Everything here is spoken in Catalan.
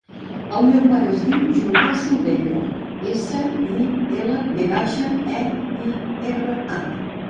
El meu pare es diu Julià Silveira: essa, i, ela, ve baixa, e, i, erra, a.